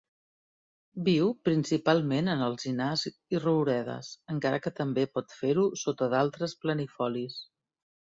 Viu principalment en alzinars i rouredes, encara que també pot fer-ho sota d'altres planifolis.